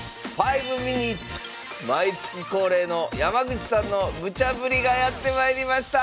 毎月恒例の山口さんのムチャぶりがやってまいりました！